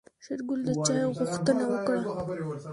شېرګل د چاي غوښتنه وکړه.